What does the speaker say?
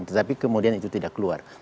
tetapi kemudian itu tidak keluar